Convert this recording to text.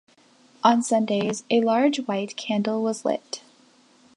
On Sundays, a large white candle was lit.